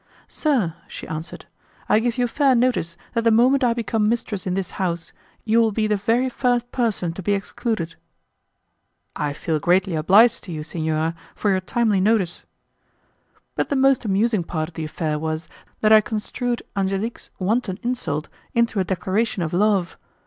"Sir," she answered, "I give you fair notice that the moment I become mistress in this house you will be the very first person to be excluded." "I feel greatly obliged to you, signora, for your timely notice." But the most amusing part of the affair was that I construed Angelique's wanton insult into a declaration of love.